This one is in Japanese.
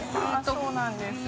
そうなんですよ。